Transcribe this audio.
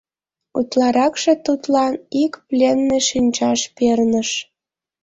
Утларакше тудлан ик пленный шинчаш перныш.